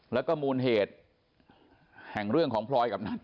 แล้วก็มูลเหตุแห่งเรื่องของพลอยกับนัท